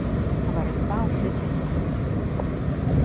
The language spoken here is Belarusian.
А барацьба ўсё цягнулася.